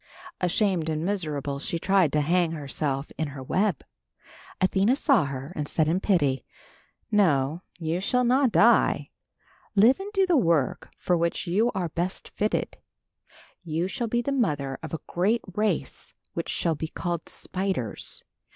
Ashamed and miserable she tried to hang herself in her web. Athena saw her and said in pity, "No, you shall not die; live and do the work for which you are best fitted. "You shall be the mother of a great race which shall be called spiders.